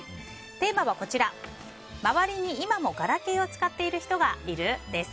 テーマは、周りに今もガラケーを使っている人がいる？です。